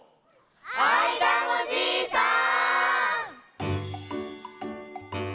あいだのじいさん！